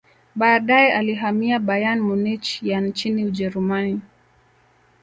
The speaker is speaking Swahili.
baadae alihamia Bayern Munich ya nchini ujerumani